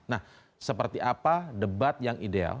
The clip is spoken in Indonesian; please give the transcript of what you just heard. nah seperti apa debat yang ideal